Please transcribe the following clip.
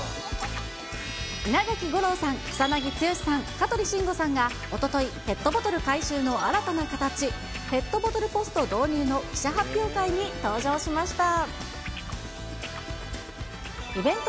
稲垣吾郎さん、草なぎ剛さん、香取慎吾さんがおととい、ペットボトル回収の新たな形、ペットボトルポスト導入の記者発表会に登場しました。